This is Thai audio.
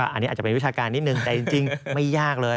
อันนี้อาจจะเป็นวิชาการนิดนึงแต่จริงไม่ยากเลย